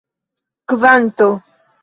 kvanto